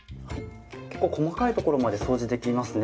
結構細かい所まで掃除できますね。